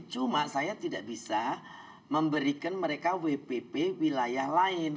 cuma saya tidak bisa memberikan mereka wpp wilayah lain